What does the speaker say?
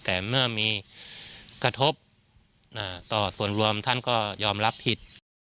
แต่เมื่อมีกระทบต่อส่วนรวมท่านก็ยอมรับผิด